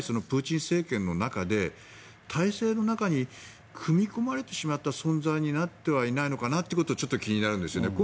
プーチン政権の中で体制の中に組み込まれてしまった存在になってはいないのかなっていうことがちょっと気になるんですよね。